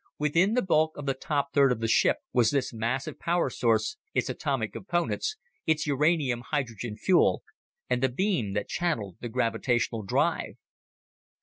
Within the bulk of the top third of the ship was this massive power source, its atomic components, its uranium hydrogen fuel, and the beam that channeled the gravitational drive.